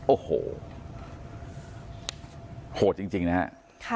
โอ้โหโหดจริงนะครับ